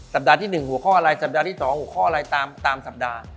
ปัดที่๑หัวข้ออะไรสัปดาห์ที่๒หัวข้ออะไรตามสัปดาห์